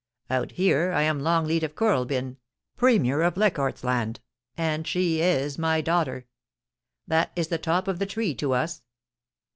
Out here, I am Longleat of Kooralbyn, Premier of Leichardt's Land, and she is my daughter ; that is the top of the tree to us.